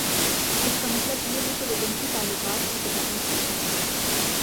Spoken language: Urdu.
اس کا مطلب یہ ہے کہ وہ جنسی تعلقات کی تہذیب کرتا ہے۔